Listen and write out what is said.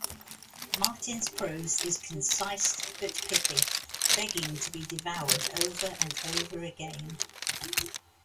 Martin's prose is concise but pithy, begging to be devoured over and over again.